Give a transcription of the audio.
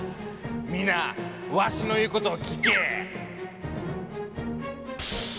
みなわしの言うことを聞け！